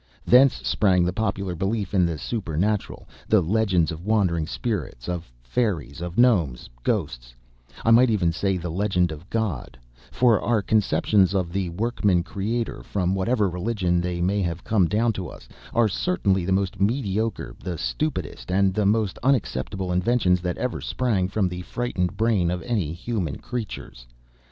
Thence sprang the popular belief in the supernatural, the legends of wandering spirits, of fairies, of gnomes, ghosts, I might even say the legend of God, for our conceptions of the workman creator, from whatever religion they may have come down to us, are certainly the most mediocre, the stupidest and the most unacceptable inventions that ever sprang from the frightened brain of any human creatures.